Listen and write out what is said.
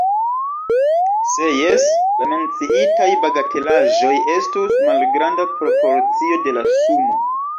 Se jes, la menciitaj bagatelaĵoj estus malgranda proporcio de la sumo.